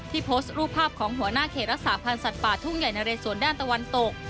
โพสต์รูปภาพของหัวหน้าเขตรักษาพันธ์สัตว์ป่าทุ่งใหญ่นะเรสวนด้านตะวันตก